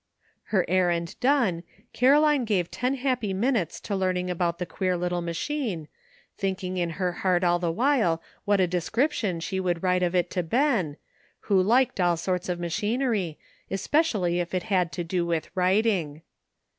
Her errand done, Caroline gave ten happy minutes to learning about the queer little ma chine, thinking in her heart all the while what a description she would write of it to Ben, who liked all kinds of machinery, especially if it had to do with writing.